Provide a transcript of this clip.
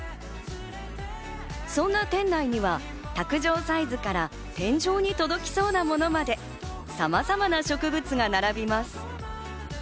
そんな店内には卓上サイズから天井に届きそうなものまで、さまざまな植物が並びます。